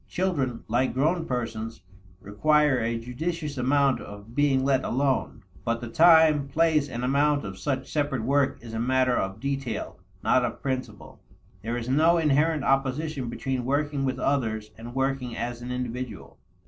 Children, like grown persons, require a judicious amount of being let alone. But the time, place, and amount of such separate work is a matter of detail, not of principle. There is no inherent opposition between working with others and working as an individual.